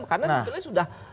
karena sebetulnya sudah